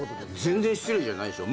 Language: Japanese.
全然失礼じゃないでしょ。